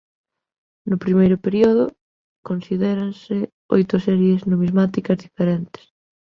No primeiro período considéranse oito series numismáticas diferentes.